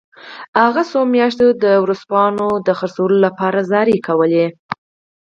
هغه څو میاشتې د ورځپاڼو پلورلو لپاره زارۍ کولې